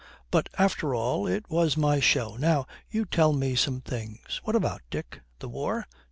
But, after all, it was my show. Now, you tell me some things.' 'What about, Dick? The war?'